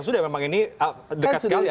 sudah memang ini dekat sekali ya